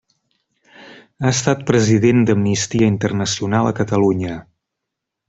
Ha estat president d'Amnistia Internacional a Catalunya.